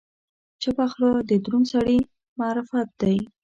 چپه خوله، د دروند سړي معرفت دی.